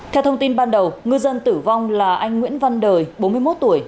theo thông tin ban đầu ngư dân tử vong là anh nguyễn văn đời bốn mươi một tuổi